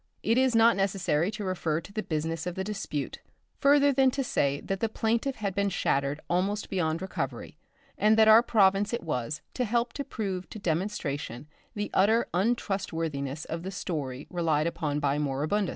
It is not necessary to refer to the business of the dispute further than to say that the plaintiff had been shattered almost beyond recovery, and that our province it was to help to prove to demonstration the utter untrustworthiness of the story relied upon by Moribundus.